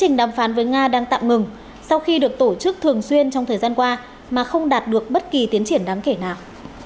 trong khi đó hôm một mươi bảy tháng năm trưởng đoàn đàm phán với nga đang tạm ngừng sau khi được tổ chức thường xuyên trong thời gian qua mà không đạt được bất kỳ tiến triển đáng kể nào